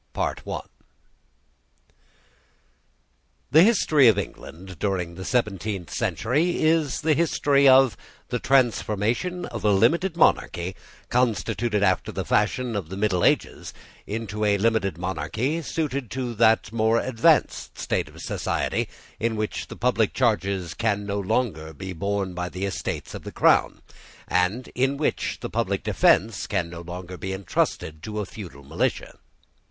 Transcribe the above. CHAPTER II. THE history of England, during the seventeenth century, is the history of the transformation of a limited monarchy, constituted after the fashion of the middle ages, into a limited monarchy suited to that more advanced state of society in which the public charges can no longer be borne by the estates of the crown, and in which the public defence can no longer be entrusted to a feudal militia.